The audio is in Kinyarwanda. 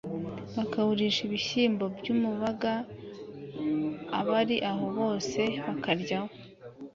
bakawurisha ibishyimbo by’umubaga. Abari aho bose bakaryaho,